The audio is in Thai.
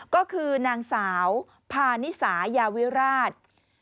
ก็คือนางสาวพานิสายาวิราช